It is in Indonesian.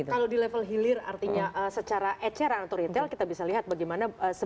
kalau di level hilir artinya secara eceran atau retail kita bisa lihat bagaimana